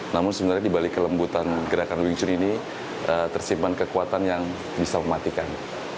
namun sebenarnya dibalik kelembutan gerakan wing chun ini tersimpan kekuatan yang bisa mematikan